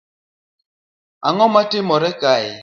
Ango matimore kae